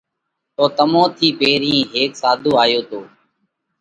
تو تمون ٿِي پيرهين ھيڪ ساڌو آيو تو۔